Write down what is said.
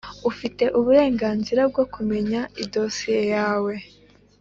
Ufite uburenganzira bwo kumenya idosiye yawe